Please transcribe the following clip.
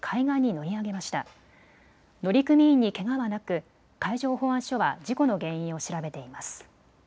乗組員にけがはなく海上保安署は事故の原因を調べています。